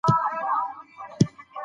وایی بدرنګه اوسه، خو دوه رنګه نه!